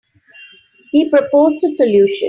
He proposed a solution.